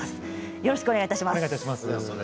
よろしくお願いします。